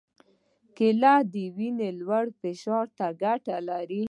کېله د وینې لوړ فشار ته ګټه لري.